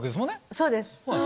そうです。